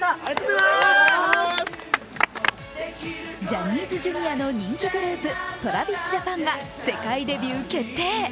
ジャニーズＪｒ．の人気グループ・ＴｒａｖｉｓＪａｐａｎが世界デビュー決定。